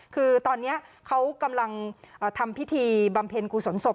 คือตอนนี้เขากำลังทำพิธีบำเพ็ญกุศลศพ